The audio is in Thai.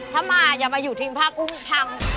ถ้ามาอย่ามาอยู่ทีมผ้ากุ้งพัง